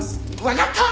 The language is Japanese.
わかった！